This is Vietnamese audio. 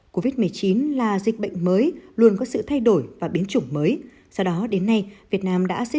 covid một mươi chín là dịch bệnh mới luôn có sự thay đổi và biến chủng mới do đó đến nay việt nam đã xây